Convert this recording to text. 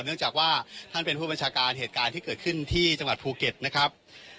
เนื่องจากว่าท่านเป็นผู้บัญชาการเหตุการณ์ที่เกิดขึ้นที่จังหวัดภูเก็ตนะครับ